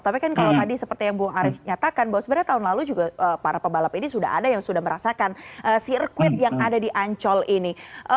tapi kan kalau tadi seperti yang bung arief nyatakan bahwa sebenarnya tahun lalu juga para pebalap ini sudah ada yang sudah merasakan sirkuit yang ada di ancol ini